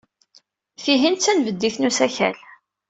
Tihin d tanbeddit n usakal.